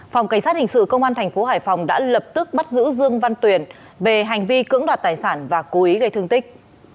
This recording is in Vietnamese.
phòng cảnh sát hình sự công an thành phố hải phòng đã lập tức bắt giữ dương văn tuyền về hành vi cưỡng đoạt tài sản và cố ý gây thương tích